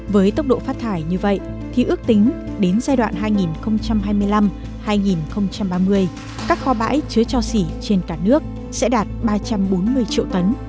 với tốc độ phát thải như vậy thì ước tính đến giai đoạn hai nghìn hai mươi năm hai nghìn ba mươi các kho bãi chứa cho xỉ trên cả nước sẽ đạt ba trăm bốn mươi triệu tấn